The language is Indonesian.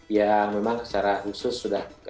yang memang secara khusus sudah